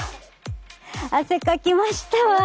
汗かきましたわ。